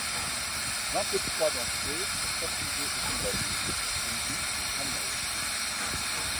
Vingt-trois d'entre eux furent accusés et condamnés, dont dix à mort.